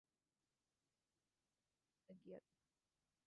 তাহার মায়ের সঙ্গে বেঁটির খুব ভাব হইয়া গিয়াছে।